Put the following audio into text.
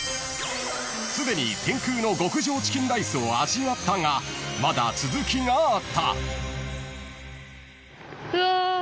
［すでに天空の極上チキンライスを味わったがまだ続きがあった］